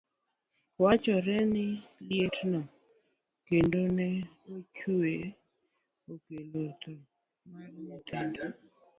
Wachore ni lietno kendo ne ochwe okelo thoo mar nyithindo .